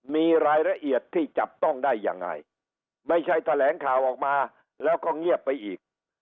มีรายละเอียดที่จับต้องได้ยังไงไม่ใช่แถลงข่าวออกมาแล้วก็เงียบไปอีก